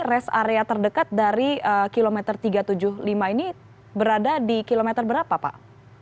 rest area terdekat dari kilometer tiga ratus tujuh puluh lima ini berada di kilometer berapa pak